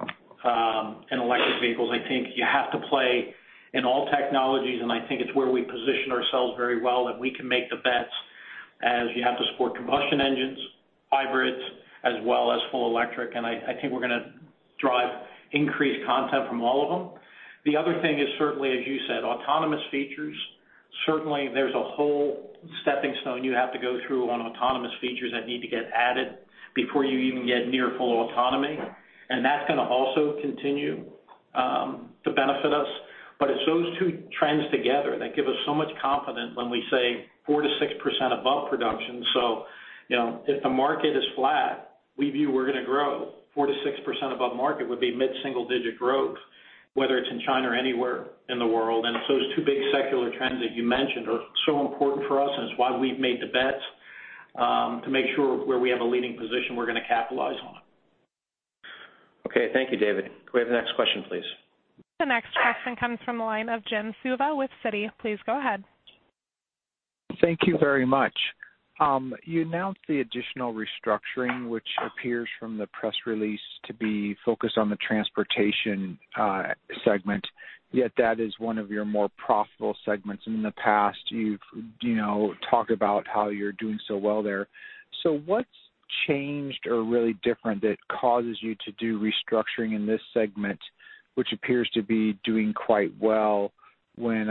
in electric vehicles. I think you have to play in all technologies. And I think it's where we position ourselves very well that we can make the bets as you have to support combustion engines, hybrids, as well as full electric. And I think we're going to drive increased content from all of them. The other thing is certainly, as you said, autonomous features. Certainly, there's a whole stepping stone you have to go through on autonomous features that need to get added before you even get near full autonomy. And that's going to also continue to benefit us. But it's those two trends together that give us so much confidence when we say 4%-6% above production. So if the market is flat, we view we're going to grow. 4%-6% above market would be mid-single-digit growth, whether it's in China or anywhere in the world. And it's those two big secular trends that you mentioned are so important for us. And it's why we've made the bets to make sure where we have a leading position, we're going to capitalize on it. Okay. Thank you, David. Can we have the next question, please? The next question comes from the line of Jim Suva with Citi. Please go ahead. Thank you very much. You announced the additional restructuring, which appears from the press release to be focused on the transportation segment, yet that is one of your more profitable segments. In the past, you've talked about how you're doing so well there. So what's changed or really different that causes you to do restructuring in this segment, which appears to be doing quite well when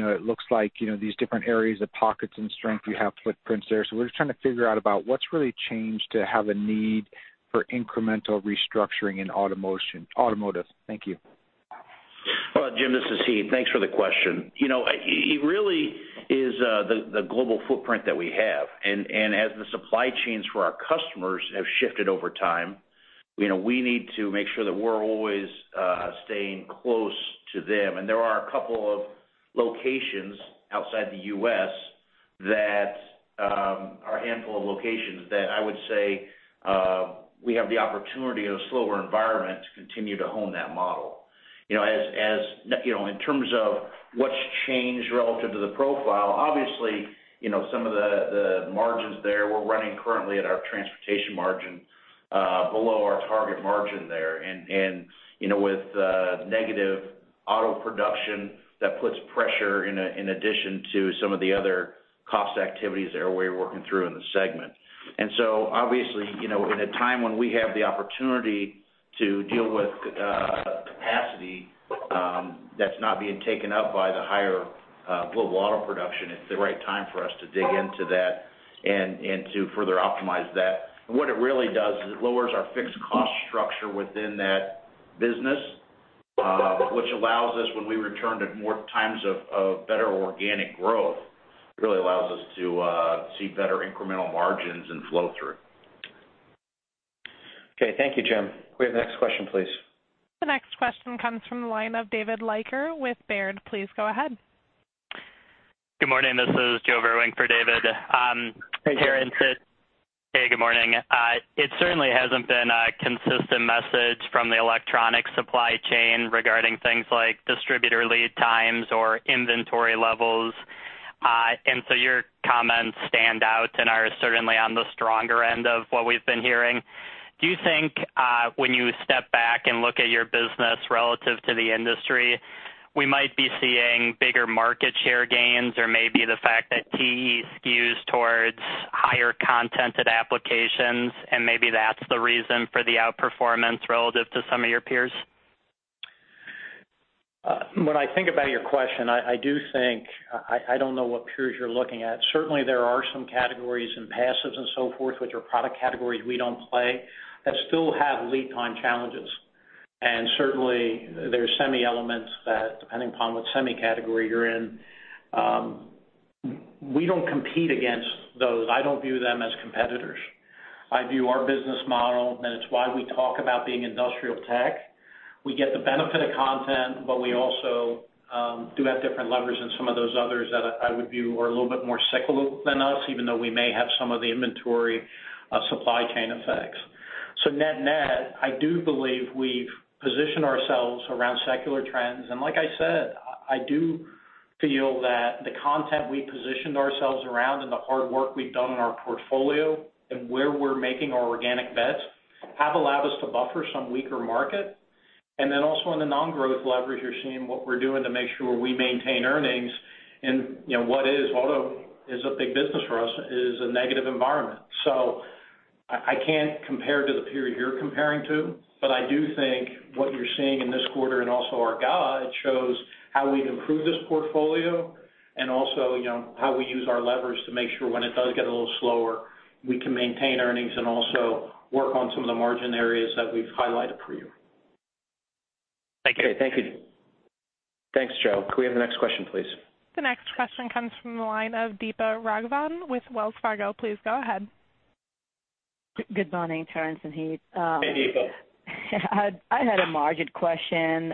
it looks like these different areas or pockets of strength, you have footprints there? So we're just trying to figure out about what's really changed to have a need for incremental restructuring in automotive. Thank you. Well, Jim, this is Heath. Thanks for the question. It really is the global footprint that we have. And as the supply chains for our customers have shifted over time, we need to make sure that we're always staying close to them. And there are a couple of locations outside the U.S. that are a handful of locations that I would say we have the opportunity in a slower environment to continue to hone that model. As in terms of what's changed relative to the profile, obviously, some of the margins there, we're running currently at our transportation margin below our target margin there. And with negative auto production, that puts pressure in addition to some of the other cost activities there we're working through in the segment. Obviously, in a time when we have the opportunity to deal with capacity that's not being taken up by the higher global auto production, it's the right time for us to dig into that and to further optimize that. What it really does is it lowers our fixed cost structure within that business, which allows us when we return to more times of better organic growth, really allows us to see better incremental margins and flow through. Okay. Thank you, Jim. Can we have the next question, please? The next question comes from the line of David Leiker with Baird. Please go ahead. Good morning. This is Joe Vruwink for David. Hey, there. Hey, good morning. It certainly hasn't been a consistent message from the electronic supply chain regarding things like distributor lead times or inventory levels. And so your comments stand out and are certainly on the stronger end of what we've been hearing. Do you think when you step back and look at your business relative to the industry, we might be seeing bigger market share gains or maybe the fact that TE skews towards higher-content applications? And maybe that's the reason for the outperformance relative to some of your peers? When I think about your question, I do think I don't know what peers you're looking at. Certainly, there are some categories and passives and so forth, which are product categories we don't play that still have lead time challenges. And certainly, there are semi-elements that depending upon what semi-category you're in, we don't compete against those. I don't view them as competitors. I view our business model, and it's why we talk about being industrial tech. We get the benefit of content, but we also do have different levers in some of those others that I would view are a little bit more cyclical than us, even though we may have some of the inventory supply chain effects. So net-net, I do believe we've positioned ourselves around secular trends. Like I said, I do feel that the context we positioned ourselves around and the hard work we've done in our portfolio and where we're making our organic bets have allowed us to buffer some weaker market. Then also in the non-growth levers, you're seeing what we're doing to make sure we maintain earnings. And what is auto is a big business for us is a negative environment. So I can't compare to the peers you're comparing to, but I do think what you're seeing in this quarter and also our GAAP; it shows how we've improved this portfolio and also how we use our levers to make sure when it does get a little slower, we can maintain earnings and also work on some of the margin areas that we've highlighted for you. Thank you, Thank you. Thanks, Joe. Can we have the next question, please? The next question comes from the line of Deepa Raghavan with Wells Fargo. Please go ahead. Good morning, Terrence and Heath. Hey, Deepa. I had a margin question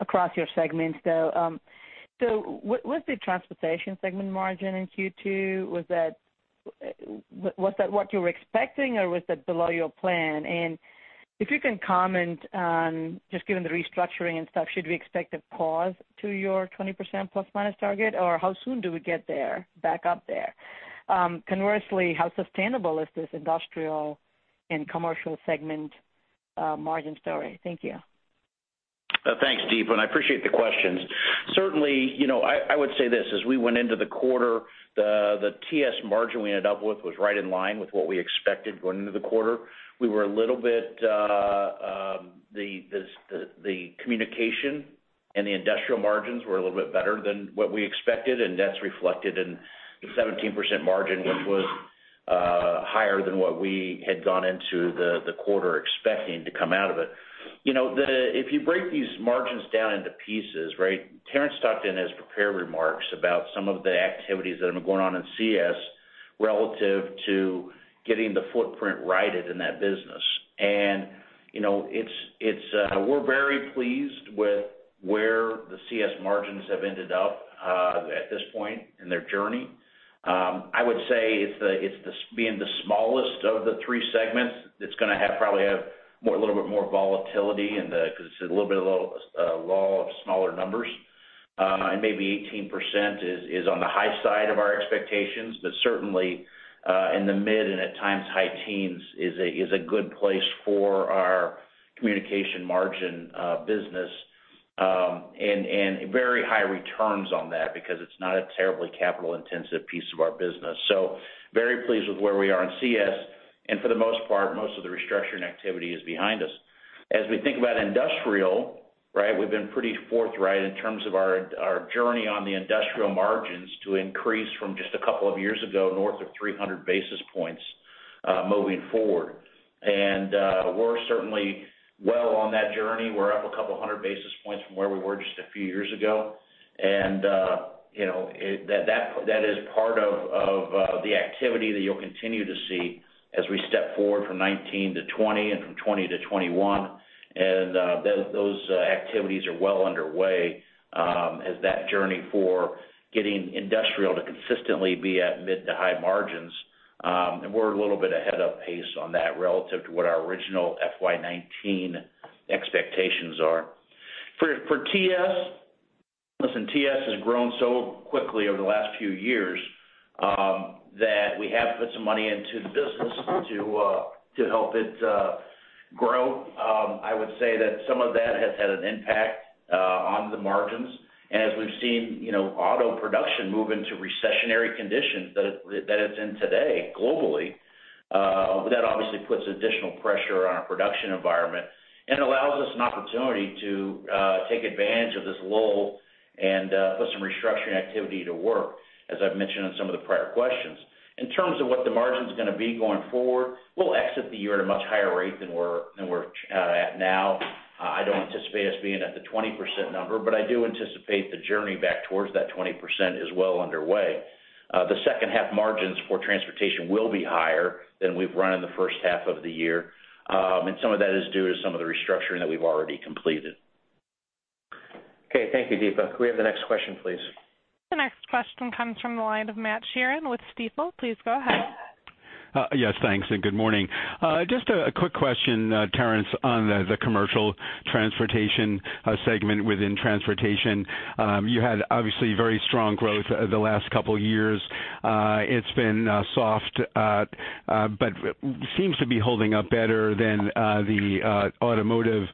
across your segments, though. So was the transportation segment margin in Q2, was that what you were expecting, or was that below your plan? And if you can comment on just given the restructuring and stuff, should we expect a pause to your 20% ± target, or how soon do we get there, back up there? Conversely, how sustainable is this industrial and commercial segment margin story? Thank you. Thanks, Deepa. I appreciate the questions. Certainly, I would say this: as we went into the quarter, the TS margin we ended up with was right in line with what we expected going into the quarter. We were a little bit the communication and the industrial margins were a little bit better than what we expected. That's reflected in the 17% margin, which was higher than what we had gone into the quarter expecting to come out of it. If you break these margins down into pieces, right, Terrence tucked in his prepared remarks about some of the activities that have been going on in CS relative to getting the footprint righted in that business. We're very pleased with where the CS margins have ended up at this point in their journey. I would say it's being the smallest of the three segments. It's going to probably have a little bit more volatility because it's a little bit of a law of smaller numbers. And maybe 18% is on the high side of our expectations. But certainly, in the mid and at times high-teens is a good place for our communication margin business and very high returns on that because it's not a terribly capital-intensive piece of our business. So very pleased with where we are in CS. And for the most part, most of the restructuring activity is behind us. As we think about industrial, right, we've been pretty forthright in terms of our journey on the industrial margins to increase from just a couple of years ago north of 300 basis points moving forward. And we're certainly well on that journey. We're up a couple hundred basis points from where we were just a few years ago. That is part of the activity that you'll continue to see as we step forward from 2019 to 2020 and from 2020 to 2021. Those activities are well underway as that journey for getting industrial to consistently be at mid to high margins. We're a little bit ahead of pace on that relative to what our original FY 2019 expectations are. For TS- listen, TS has grown so quickly over the last few years that we have put some money into the business to help it grow. I would say that some of that has had an impact on the margins. As we've seen auto production move into recessionary conditions that it's in today globally, that obviously puts additional pressure on our production environment. It allows us an opportunity to take advantage of this lull and put some restructuring activity to work, as I've mentioned in some of the prior questions. In terms of what the margin's going to be going forward, we'll exit the year at a much higher rate than we're at now. I don't anticipate us being at the 20% number, but I do anticipate the journey back towards that 20% is well underway. The second-half margins for transportation will be higher than we've run in the first half of the year. Some of that is due to some of the restructuring that we've already completed. Okay. Thank you, Deepa. Can we have the next question, please? The next question comes from the line of Matt Sheerin with Stifel. Please go ahead. Yes, thanks. Good morning. Just a quick question, Terrence, on the commercial transportation segment within transportation. You had obviously very strong growth the last couple of years. It's been soft, but seems to be holding up better than the automotive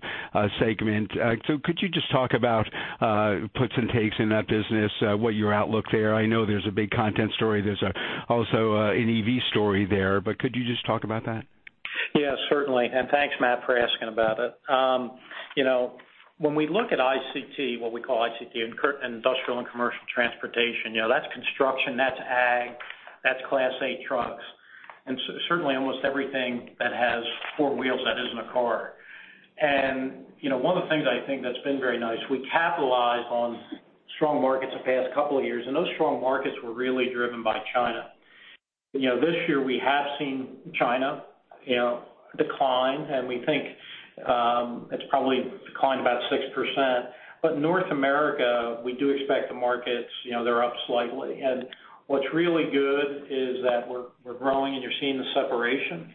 segment. So could you just talk about puts and takes in that business, what your outlook there? I know there's a big content story. There's also an EV story there. But could you just talk about that? Yeah, certainly. And thanks, Matt, for asking about it. When we look at ICT, what we call ICT, Industrial and Commercial Transportation, that's construction, that's ag; that's Class 8 trucks. And certainly, almost everything that has four wheels that isn't a car. And one of the things I think that's been very nice, we capitalized on strong markets the past couple of years. And those strong markets were really driven by China. This year, we have seen China decline. And we think it's probably declined about 6%. But North America, we do expect the markets, they're up slightly. And what's really good is that we're growing and you're seeing the separation.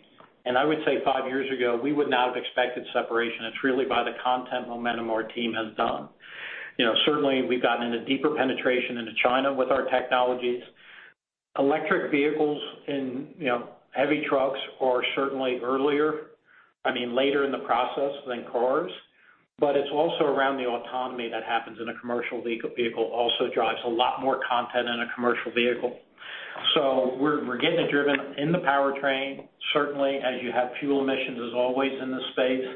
And I would say five years ago, we would not have expected separation. It's really by the content momentum our team has done. Certainly, we've gotten into deeper penetration into China with our technologies. Electric vehicles and heavy trucks are certainly earlier, I mean, later in the process than cars. But it's also around the autonomy that happens in a commercial vehicle also drives a lot more content in a commercial vehicle. So we're getting it driven in the powertrain, certainly, as you have fuel emissions as always in this space.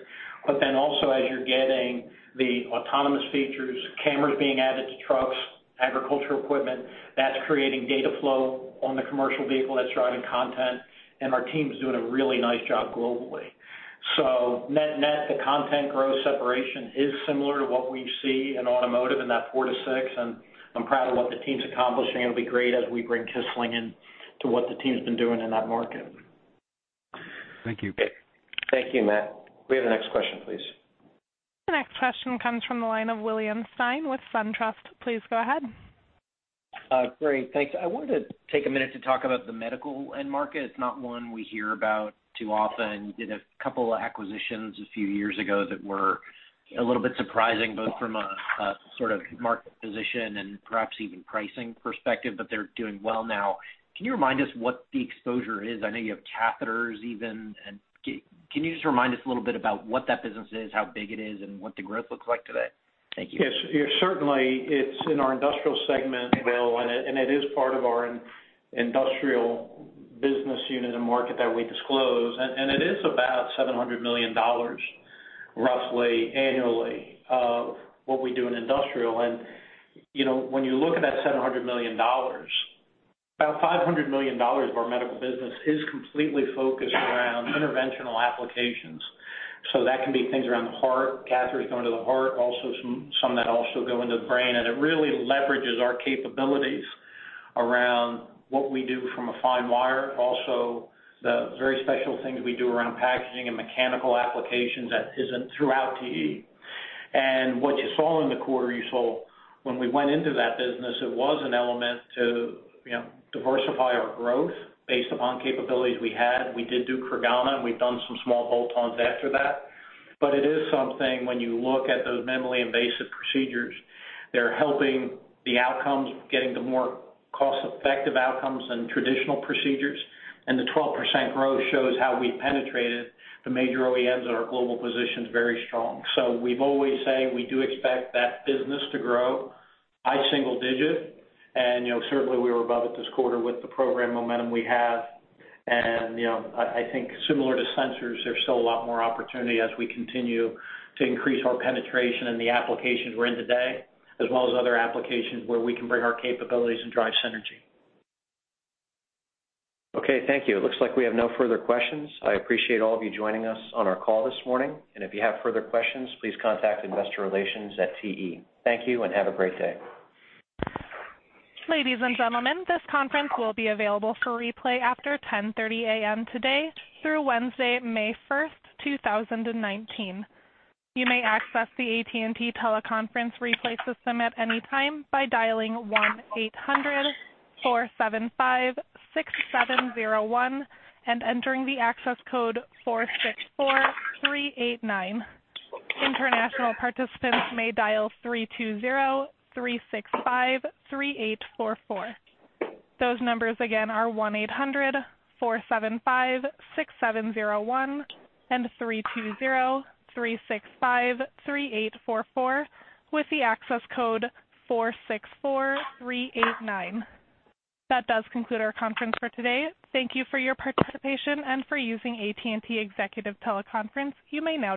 But then also as you're getting the autonomous features, cameras being added to trucks, agricultural equipment, that's creating data flow on the commercial vehicle that's driving content. And our team's doing a really nice job globally. So net-net, the content growth separation is similar to what we see in automotive in that 4-6%. And I'm proud of what the team's accomplishing. It'll be great as we bring Kissling into what the team's been doing in that market. Thank you. Thank you, Matt. Can we have the next question, please? The next question comes from the line of William Stein with SunTrust. Please go ahead. Great. Thanks. I wanted to take a minute to talk about the medical end market. It's not one we hear about too often. You did a couple of acquisitions a few years ago that were a little bit surprising both from a sort of market position and perhaps even pricing perspective, but they're doing well now. Can you remind us what the exposure is? I know you have catheters even. And can you just remind us a little bit about what that business is, how big it is, and what the growth looks like today? Thank you. Yes. Certainly, it's in our industrial segment, though. And it is part of our industrial business unit and market that we disclose. And it is about $700 million, roughly, annually, of what we do in industrial. And when you look at that $700 million, about $500 million of our medical business is completely focused around interventional applications. So that can be things around the heart, catheters going to the heart, also some that also go into the brain. And it really leverages our capabilities around what we do from a fine wire, also the very special things we do around packaging and mechanical applications that isn't throughout TE. And what you saw in the quarter, you saw when we went into that business, it was an element to diversify our growth based upon capabilities we had. We did do Creganna, and we've done some small bolt-ons after that. But it is something when you look at those minimally invasive procedures, they're helping the outcomes, getting the more cost-effective outcomes than traditional procedures. And the 12% growth shows how we've penetrated the major OEMs in our global position very strong. So we always say we do expect that business to grow by single-digit. And certainly, we were above it this quarter with the program momentum we have. And I think similar to sensors, there's still a lot more opportunity as we continue to increase our penetration in the applications we're in today, as well as other applications where we can bring our capabilities and drive synergy. Okay. Thank you. It looks like we have no further questions. I appreciate all of you joining us on our call this morning. If you have further questions, please contact Investor Relations at TE. Thank you and have a great day. Ladies and gentlemen, this conference will be available for replay after 10:30 A.M. today through Wednesday, May 1st, 2019. You may access the AT&T teleconference replay system at any time by dialing 1-800-475-6701 and entering the access code 464389. International participants may dial 320-365-3844. Those numbers, again, are 1-800-475-6701 and 320-365-3844 with the access code 464389. That does conclude our conference for today. Thank you for your participation and for using AT&T Executive Teleconference. You may now.